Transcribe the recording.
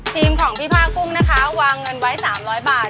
ทีมของพี่ผ้ากุ้งนะคะวางเงินไว้๓๐๐บาท